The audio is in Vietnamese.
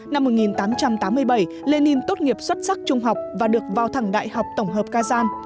năm một nghìn tám trăm tám mươi bảy lenin tốt nghiệp xuất sắc trung học và được vào thẳng đại học tổng hợp kazan